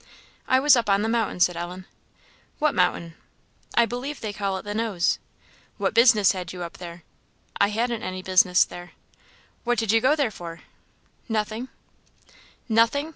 "I was up on the mountain," said Ellen. "What mountain?" "I believe they call it the Nose." "What business had you up there?" "I hadn't any business there." "What did you go there for?" "Nothing." "Nothing!